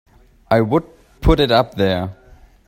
I would put it up there!